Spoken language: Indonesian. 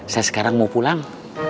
saya sekarang mau pulang